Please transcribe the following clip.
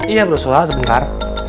iya bro suha sebentar